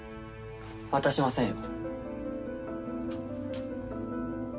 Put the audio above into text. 渡しませんよ。